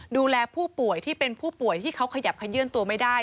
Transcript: ดูแลผู้ป่วยที่เป็นผู้ป่วยที่เขาขยับขยื่นตัวไม่ได้